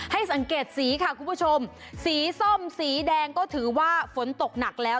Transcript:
ให้สังเกตสีค่ะคุณผู้ชมสีส้มสีแดงก็ถือว่าฝนตกหนักแล้ว